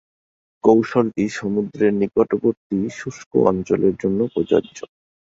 কৌশলটি সমুদ্রের নিকটবর্তী শুষ্ক অঞ্চলের জন্য প্রযোজ্য।